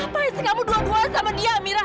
apa isi kamu dua dua sama dia amira